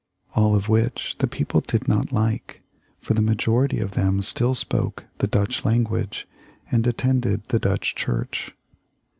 All of which the people did not like, for the majority of them still spoke the Dutch language and attended the Dutch church.